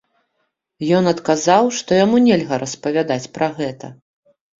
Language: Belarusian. Ён адказаў што яму нельга распавядаць пра гэта.